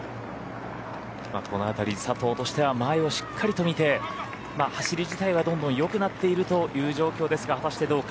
この辺り佐藤としては前をしっかり見て走り自体はどんどん良くなっているという状況ですが果たしてどうか。